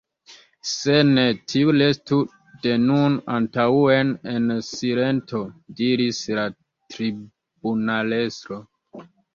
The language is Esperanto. Se ne, tiu restu de nun antaŭen en silento, diris la tribunalestro.